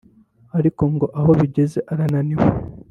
ariko ngo aho bigeze arananiwe